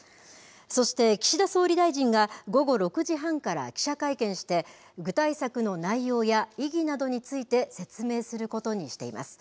そして岸田総理大臣が、午後６時半から記者会見して、具体策の内容や意義などについて説明することにしています。